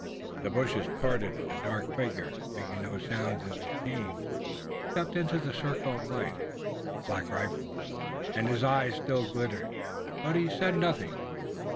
The bushes parted and a dark figure, making no sound as it came, stepped into the circle of light. It was Black Rifle and his eyes still glittered, but he said nothing.